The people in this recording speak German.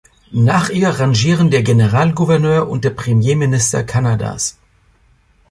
Nach ihr rangieren der Generalgouverneur und der Premierminister Kanadas.